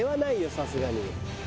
さすがに。